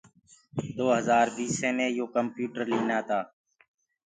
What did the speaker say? دو هجآر بيسي مي يو ڪمپيوٽر لينآ تآ۔